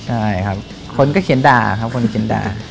ใช่ครับคนก็เขียนด่าครับคนเขียนด่า